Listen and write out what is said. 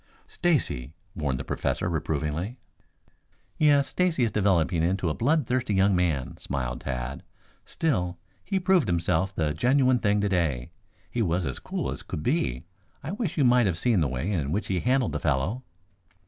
"Stacy!" warned the Professor reprovingly. "Yes, Stacy is developing into a blood thirsty young man," smiled Tad. "Still, he proved himself the genuine thing today. He was as cool as could be. I wish you might have seen the way in which he handled the fellow."